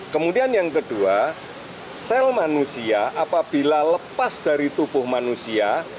kemudian yang kedua sel manusia apabila lepas dari tubuh manusia